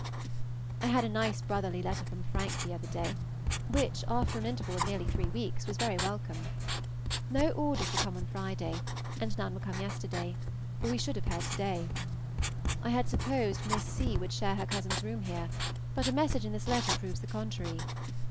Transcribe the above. I had a nice brotherly letter from Frank the other day, which, after an interval of nearly three weeks, was very welcome. No orders were come on Friday, and none were come yesterday, or we should have heard to day. I had supposed Miss C. would share her cousin's room here, but a message in this letter proves the contrary.